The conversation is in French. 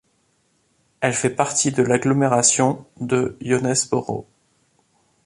Elle fait partie de l’agglomération de Jonesboro.